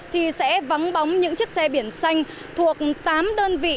thì sẽ vắng bóng những chiếc xe biển xanh thuộc tám đơn vị